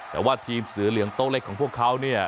แต่ว่าทีมเสือเหลืองโต๊ะเล็กของพวกเขาเนี่ย